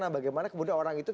bagaimana kemudian orang itu